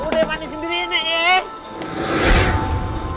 dari mana sendiri nih